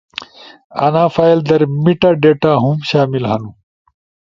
انا فائل در میٹا ڈیٹا ہُم شامل ہنو